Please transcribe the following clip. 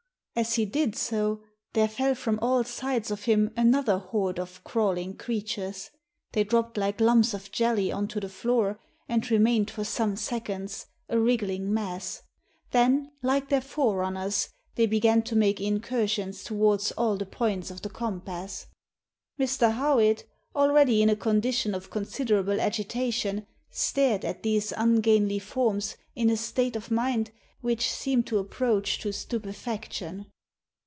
As he did so, there fell from all sides of him another horde of crawling creatures. They dropped like lumps of jelly on to the floor, and remained for some seconds, a wriggling mass. Then, like their forerunners, they began to make incursions towards all the points of the compass. Mr. Howitt, already in a condition of considerable agitation, stared at these ungainly forms in a state of mind which seemed to approach to stupefaction.